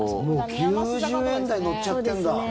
９０円台乗っちゃってるんだ。